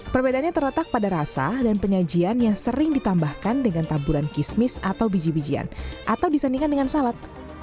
perbedaannya terletak pada rasa dan penyajian yang sering ditambahkan dengan taburan kismis atau biji bijian atau disandingkan dengan salad